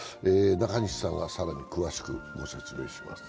中西さんが更に詳しくご説明します。